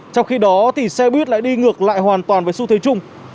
trong khi đó xe buýt lại đi ngược lại hoàn toàn với xu thế chung